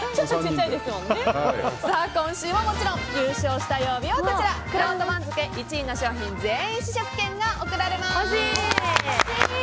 今週ももちろん優勝した曜日はくろうと番付１位の商品全員試食券が贈られます。